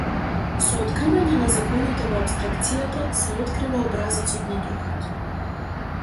Со откривање на законите во апстракцијата се открива образецот на духот.